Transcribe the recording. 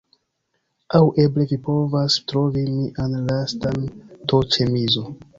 Aŭ eble vi povas trovi mian lastan t-ĉemizon.